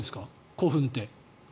古墳って。